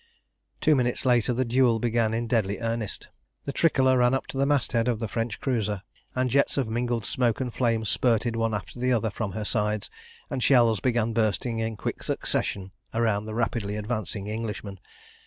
Two minutes later the duel began in deadly earnest. The tricolor ran up to the masthead of the French cruiser, and jets of mingled smoke and flame spurted one after the other from her sides, and shells began bursting in quick succession round the rapidly advancing Englishman.